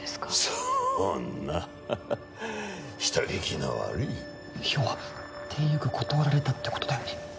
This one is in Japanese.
そんな人聞きの悪い要はていよく断られたってことだよね？